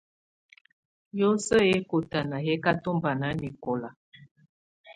Yǝ́suǝ̀ ɛkɔ̀tana yɛ̀ kà yɔmba nanɛkɔla.